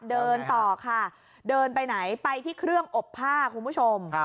เดินต่อค่ะเดินไปไหนไปที่เครื่องอบผ้าคุณผู้ชม